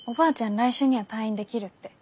来週には退院できるって。